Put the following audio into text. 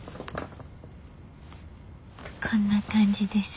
こんな感じです。